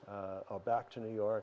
atau kembali ke new york